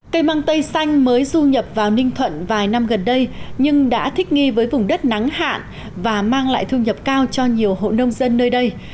cây mang tây xanh mới du nhập vào ninh thuận vài năm gần đây nhưng đã thích nghi với vùng đất nắng hạn và mang lại thu nhập cao cho nhiều hộ nông dân nơi đây